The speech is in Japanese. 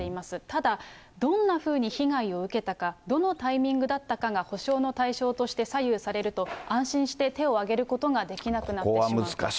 ただ、どんなふうに被害を受けたか、どのタイミングだったかが補償の対象として左右されると、安心して手を挙げることができなくなってしまうと。